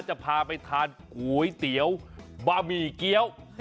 จะพาไปทานก๋วยเตี๋ยวบะหมี่เกี้ยว